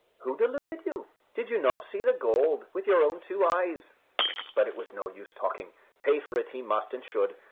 "Who deluded you? Didn't you see the gold with your own two eyes?" But it was no use talking. Pay for it he must, and should.